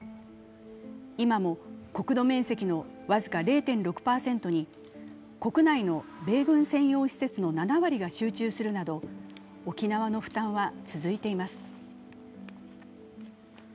今も国土面積の僅か０．６％に国内の米軍専用施設の７割が集中するなど沖縄の負担は続いています。